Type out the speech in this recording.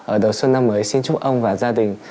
ở đầu xuân năm mới xin chúc ông và gia đình